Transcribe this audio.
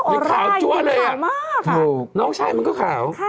ออร่ายคาวมากค่ะนี่ขาวจัวเลยเนี่ยน้องชายมันก็ขาว